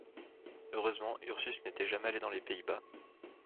Heureusement Ursus n’était jamais allé dans les Pays-Bas.